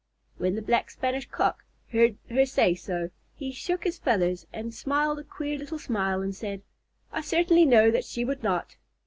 When the Black Spanish Cock heard her say so, he shook his feathers and smiled a queer little smile, and said, "I certainly know that she would not."